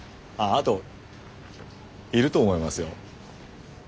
ああといると思いますよ。